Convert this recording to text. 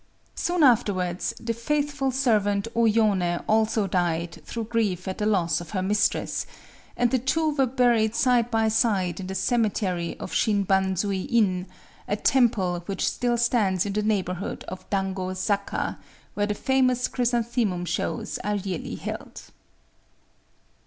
Soon afterwards, the faithful servant O Yoné also died, through grief at the loss of her mistress; and the two were buried side by side in the cemetery of Shin Banzui In,—a temple which still stands in the neighborhood of Dango Zaka, where the famous chrysanthemum shows are yearly held.